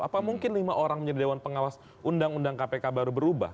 apa mungkin lima orang menjadi dewan pengawas undang undang kpk baru berubah